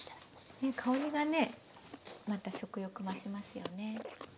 香りがねまた食欲増しますよね。